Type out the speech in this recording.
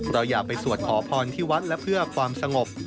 เราอยากไปสวดขอพรที่วัดและเพื่อความสงบ